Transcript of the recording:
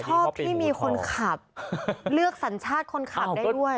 ชอบที่มีคนขับเลือกสัญชาติคนขับได้ด้วย